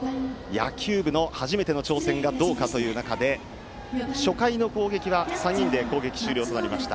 野球部の初めての挑戦がどうかという中で初回の攻撃は３人で終了となりました。